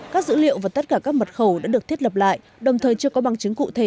các dữ liệu và tất cả các mật khẩu đã được thiết lập lại đồng thời chưa có bằng chứng cụ thể